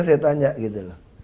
sekarang saya tanya